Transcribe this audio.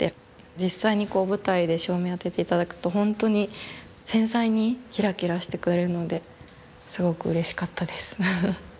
実際に舞台で照明を当てて頂くと本当に繊細にキラキラしてくれるのですごくうれしかったです。